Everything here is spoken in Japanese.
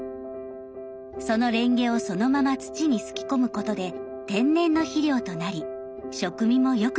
そのレンゲをそのまま土にすき込むことで天然の肥料となり食味も良くなるそう。